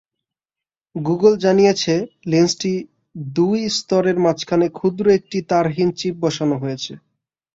Google জানিয়েছে, লেন্সটির দুই স্তরের মাঝখানে ক্ষুদ্র একটি তারহীন চিপ বসানো হয়েছে।